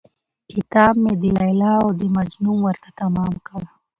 كتاب مې د ليلا او د مـجنون ورته تمام كړ.